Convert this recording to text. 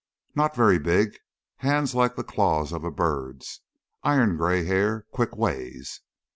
"Not very big; hands like the claws of a bird's; iron gray hair; quick ways."